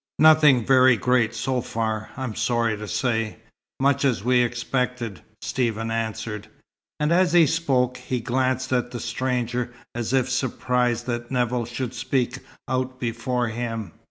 "Nothing very great so far, I'm sorry to say. Much as we expected," Stephen answered. And as he spoke, he glanced at the stranger, as if surprised that Nevill should speak out before him.